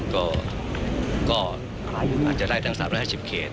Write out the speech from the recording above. ก็อาจจะได้ทั้ง๓๕๐เขต